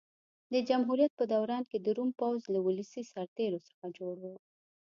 د جمهوریت په دوران کې د روم پوځ له ولسي سرتېرو څخه جوړ و.